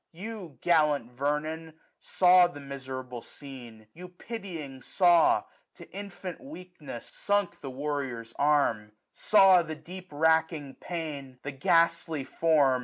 You, gallant Vernon ! saw The miserable scene ; you, pitying, saw. To infant weakness sunk the warrior's arm ; SUMMER. 89 Saw the deep racking pang, the ghastly form.